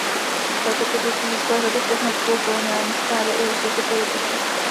V této pozici získal řadu poznatků o koloniální správě i o světě politiky.